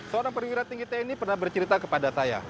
seorang perwira tinggi tni pernah bercerita kepada saya